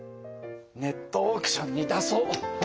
ネットオークションに出そう。